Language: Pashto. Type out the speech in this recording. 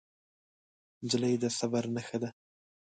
نجلۍ د صبر نښه ده.